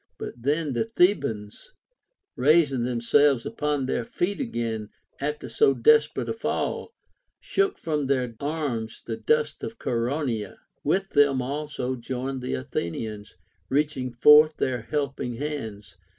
But then the Thebans, raising themselves upon their feet again after so desperate a fall, shook from their arms the dust of Chaeronea ; with them also joined the Athenians, reach ing forth their helping hands.